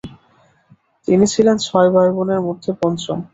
তিনি ছিলেন ছয় ভাইয়ের মধ্যে পঞ্চম।